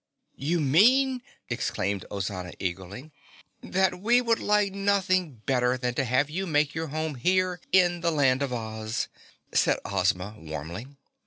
"You mean ?" exclaimed Ozana eagerly. "That we would like nothing better than to have you make your home here in the Land of Oz," said Ozma warmly.